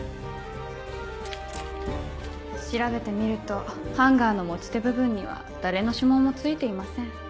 調べてみるとハンガーの持ち手部分には誰の指紋もついていません。